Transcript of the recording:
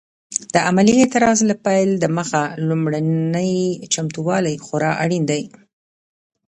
د عملي اعتراض له پیل دمخه لومړني چمتووالي خورا اړین دي.